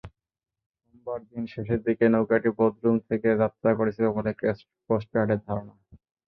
সোমবার দিন শেষের দিকে নৌকাটি বদরুম থেকে যাত্রা করেছিল বলে কোস্টগার্ডের ধারণা।